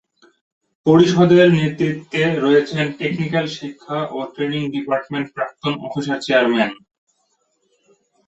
পরিষদের নেতৃত্বে রয়েছেন, টেকনিক্যাল শিক্ষা ও ট্রেনিং ডিপার্টমেন্ট প্রাক্তন অফিসার চেয়ারম্যান।